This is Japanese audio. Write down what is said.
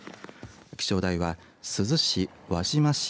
気象台は珠洲市、輪島市